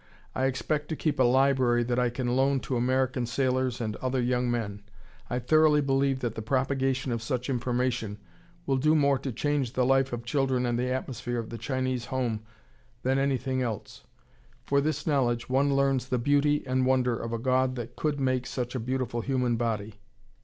I expect to keep a library that I can loan to American sailors and other young men. I thoroughly believe that the propagation of such information will do more to change the life of children and the atmosphere of the Chinese home than anything else. For with this knowledge one learns the beauty and wonder of a God that could make such a beautiful human body.